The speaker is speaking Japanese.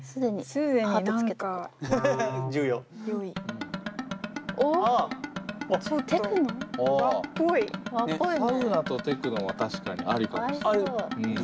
サウナとテクノは確かにありかもしれない。